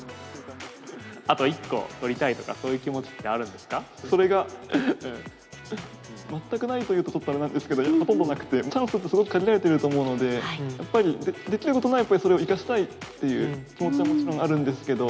あと１個取りたいとか、それが、全くないというとちょっとあれなんですけれども、ほとんどなくて、チャンスはすごく限られていると思うので、やっぱりできることなら、それを生かしたいという気持ちはもちろんあるんですけれども。